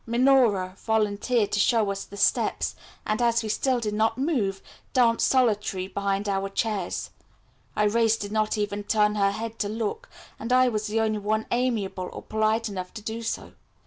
Minora volunteered to show us the steps, and as we still did not move, danced solitary behind our chairs. Irais did not even turn her head to look, and I was the only one amiable or polite enough to do so.